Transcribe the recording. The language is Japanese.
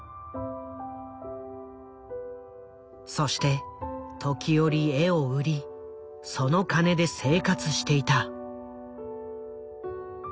そして時折絵を売りその金で生活していた。